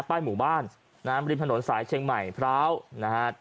หมู่บ้านน้ำริมถนนสายเชียงใหม่พร้าวนะฮะ